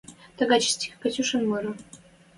Тагачы стих — «катюшан» мыры